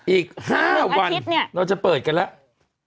อีก๕วันเราจะเปิดกันแล้ว